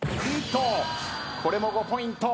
これも５ポイント。